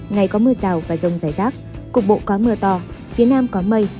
ngày có mưa rào và rông rải rác cục bộ có mưa to phía nam có mây